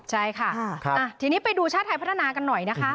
ใช่ค่ะทีนี้ไปดูชาติไทยพัฒนากันหน่อยนะคะ